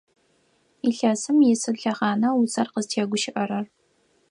Илъэсым исыд лъэхъана усэр къызтегущыӏэрэр?